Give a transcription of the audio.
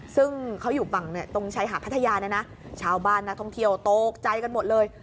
ซึ่งเขาอยู่ฝั่งตรงชายหาดพัทยาเนี่ยนะชาวบ้านนักท่องเที่ยวตกใจกันหมดเลย